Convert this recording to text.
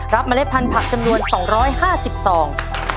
รับเมล็ดพันธุ์ผักจำนวน๒๕๐สอง